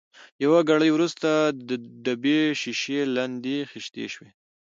یو ګړی وروسته د ډبې شېشې لندې خېشتې شوې.